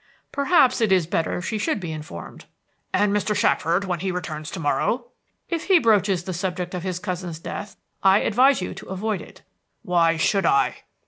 "Perhaps it is better she should be informed." "And Mr. Shackford, when he returns to morrow?" "If he broaches the subject of his cousin's death, I advise you to avoid it." "Why should I?"